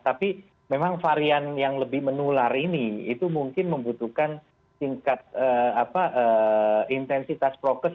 tapi memang varian yang lebih menular ini itu mungkin membutuhkan tingkat intensitas prokes